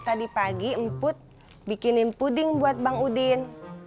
tadi pagi emput bikinin puding buat bang udin